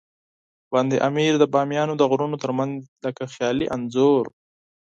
بند امیر د بامیانو د غرونو ترمنځ لکه خیالي انځور.